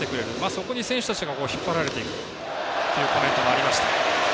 そこに選手たちが引っ張られていくというコメントもありました。